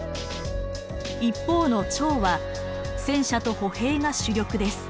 一方の趙は戦車と歩兵が主力です。